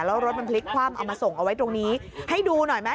แล้วรถมันพลิกคว่ำเอามาส่งเอาไว้ตรงนี้ให้ดูหน่อยไหม